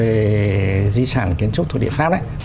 về di sản kiến trúc thuộc địa pháp ấy